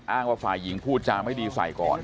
ว่าฝ่ายหญิงพูดจาไม่ดีใส่ก่อน